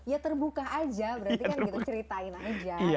ya terbuka aja berarti kan gitu ceritain aja